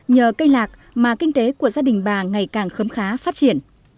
nhờ cây lạc mà kinh tế của gia đình bà ngày càng khấm khá phát triển